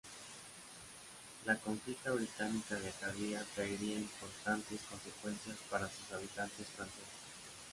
La conquista británica de Acadia traería importantes consecuencias para sus habitantes franceses.